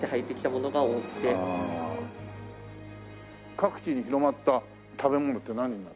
各地に広まった食べ物って何が？